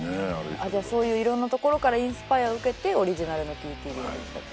そういういろんなところからインスパイアを受けてオリジナルのＴＴＤができたと。